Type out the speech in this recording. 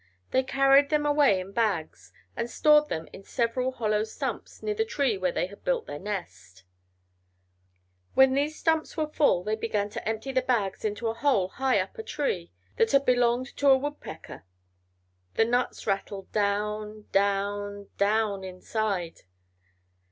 They carried them away in bags, and stored them in several hollow stumps near the tree where they had built their nest. When these stumps were full, they began to empty the bags into a hole high up a tree, that had belonged to a wood pecker; the nuts rattled down down down inside.